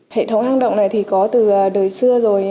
hệ thống hang động này thì có từ đời xưa rồi